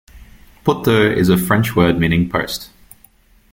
"Poteau" is a French word meaning post.